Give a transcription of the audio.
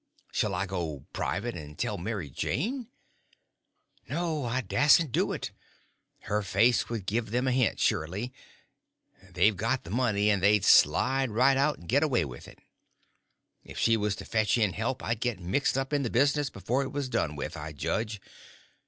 Shall I go, private, and tell Mary Jane? No—I dasn't do it. Her face would give them a hint, sure; they've got the money, and they'd slide right out and get away with it. If she was to fetch in help I'd get mixed up in the business before it was done with, I judge.